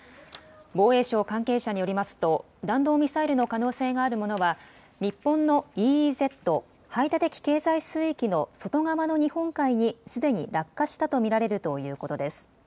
防衛省関係者によりますと弾道ミサイルの可能性があるものは日本のＥＥＺ・排他的経済水域の外側の日本海にすでに落下したと見られるということです。